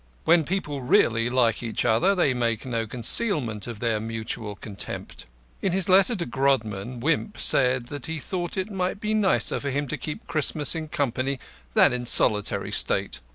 When people really like each other, they make no concealment of their mutual contempt. In his letter to Grodman, Wimp said that he thought it might be nicer for him to keep Christmas in company than in solitary state.